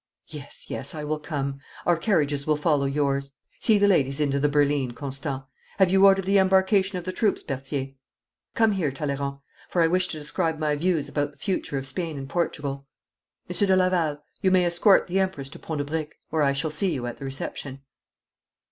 'Yes, yes, I will come. Our carriages will follow yours. See the ladies into the berline, Constant. Have you ordered the embarkation of the troops, Berthier? Come here, Talleyrand, for I wish to describe my views about the future of Spain and Portugal. Monsieur de Laval, you may escort the Empress to Pont de Briques, where I shall see you at the reception.'